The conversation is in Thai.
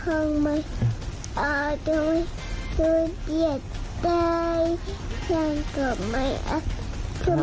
โอ้ยน่ารักอ่ะ